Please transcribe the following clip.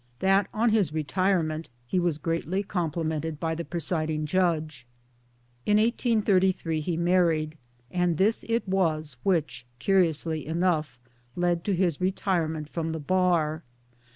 MY PARENTS 37 that on his retirement he was greatly complimented by the presiding judge. In 1833 he married ; and this it was which, curiously enough, led to his retire ment from the Bar.